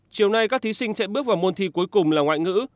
chiều nay các thí sinh sẽ bước vào môn thi cuối cùng là ngoại ngữ